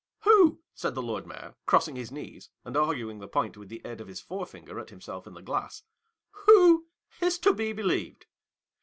<; Who," said the Lord Mayor, crossing his knees, and arguing the point, with the aid of his forefinger, at himself in the glass, "who is to be believed